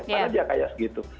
karena dia kaya segitu